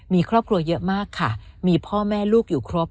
มีครอบครัวเยอะมากค่ะมีพ่อแม่ลูกอยู่ครบ